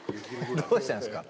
どうしたんですか？